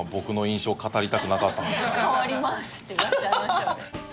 「代わります」って言わせちゃいましたよね。